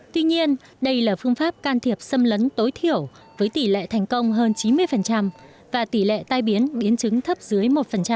tuy nhiên đây là phương pháp can thiệp xâm lấn tối thiểu với tỷ lệ thành công hơn chín mươi và tỷ lệ tai biến biến chứng thấp dưới một